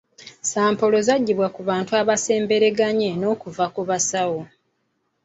Sampolo zaggibwa ku bantu abaasembereganye n'okuva ku basawo.